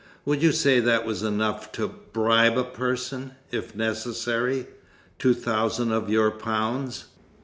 Would you say that was enough to bribe a person, if necessary? Two thousand of your pounds."